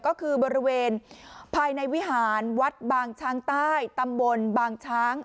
ก็คือบริเวณภายในวิหารวัดบางช้างใต้ตำบลบางช้าง